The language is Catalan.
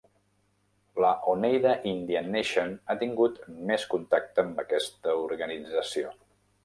La Oneida Indian Nation ha tingut més contacte amb aquesta organització.